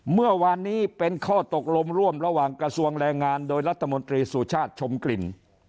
เมื่อวานนี้เป็นข้อตกลงร่วมระหว่างกระทรวงแรงงานโดยรัฐมนตรีสุชาติชมกลิ่น